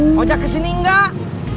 ngojek kesini enggak